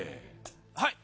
はい！